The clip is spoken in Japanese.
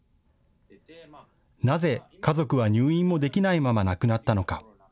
なぜ家族は入院もできないまま亡くなったのか。